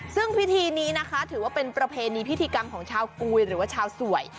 ซึ่งพิธีนี้นะคะถือว่าเป็นประเพณีพิธีกรรมของชาวกุยหรือว่าชาวสวย